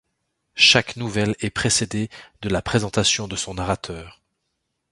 Chaque nouvelle est précédée de la présentation de son narrateur.